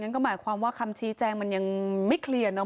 ก็หมายความว่าคำชี้แจงมันยังไม่เคลียร์เนาะ